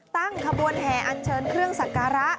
ตั้งขบวนแห่อันเชิญเครื่องสักการะ